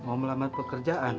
mau melamar pekerjaan